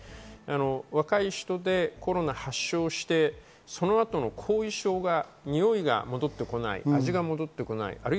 若い人でコロナを発症して、その後の後遺症、においが戻ってこない、味が戻ってこない。